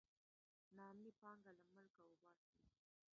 نا امني پانګه له ملکه وباسي.